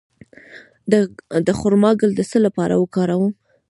د خرما ګل د څه لپاره وکاروم؟